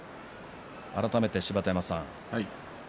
改めて、芝田山さん